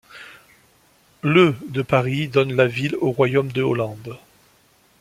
Le de Paris donne la ville au Royaume de Hollande.